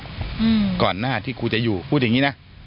ก่อนหน้าที่ครูจะอยู่พูดอย่างงี้นะ